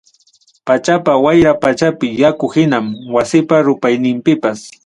Pachapa wayra pachapi yaku hinam, wasipa rupayninpipas.